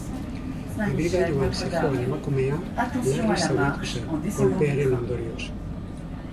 Ibilgailuan zihoan emakumea larri zauritu zen, kolpearen ondorioz.